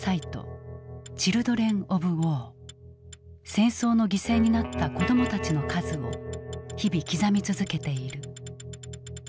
戦争の犠牲になった子どもたちの数を日々刻み続けている。